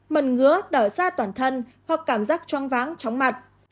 mần ngứa đỏ da toàn thân hoặc cảm giác troang váng tróng mặt